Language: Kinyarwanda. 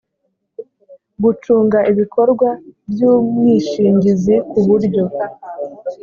gucunga ibikorwa by umwishingizi ku buryo